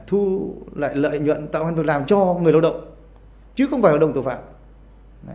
thu lại lợi nhuận tạo ra một việc làm cho người lao động chứ không phải hoạt động tội phạm